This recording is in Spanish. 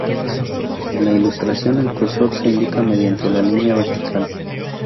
En la ilustración, el cursor se indica mediante la línea vertical.